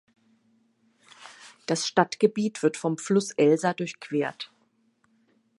Das Stadtgebiet wird vom Fluss Elsa durchquert.